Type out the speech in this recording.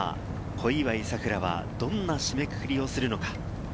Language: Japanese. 小祝さくらは、どんな締めくくりをするのか。